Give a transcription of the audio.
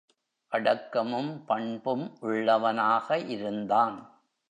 அடக்கமும், பண்பும் உள்ளவனாக இருந்தான்.